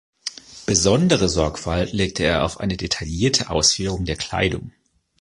Besondere Sorgfalt legt er auf eine detaillierte Ausführung der Kleidung.